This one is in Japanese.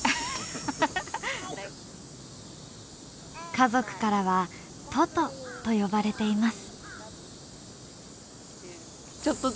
家族からはトトと呼ばれています。